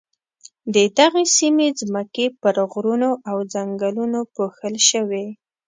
د دغې سیمې ځمکې پر غرونو او ځنګلونو پوښل شوې.